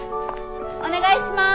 お願いします。